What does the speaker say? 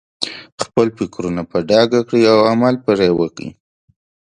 خپل فکرونه په ډاګه کړئ او عمل پرې وکړئ.